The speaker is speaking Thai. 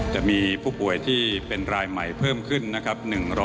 จะมีผู้ป่วยที่เป็นรายใหม่เพิ่มขึ้นนะครับ